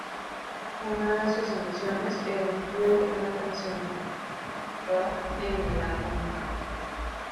Una de sus ambiciones era incluir una canción rock en el álbum nuevo.